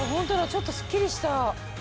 ちょっとすっきりした。